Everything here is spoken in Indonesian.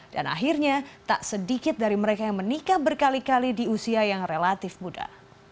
dan akhirnya tak sedikit dari mereka yang menikah berkali kali di usia yang relatif muda